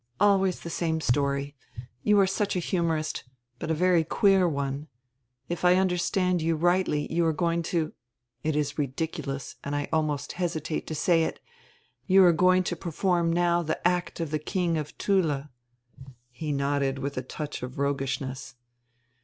"Always the same story. You are such a humorist, hut a very queer one. If I understand you rightly you are going to — it is ridiculous and I almost hesitate to say it — you are going to perform now the act of the King of Thule." He nodded with a touch of roguishness.